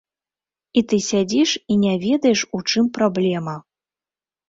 І ты сядзіш і не ведаеш, у чым праблема.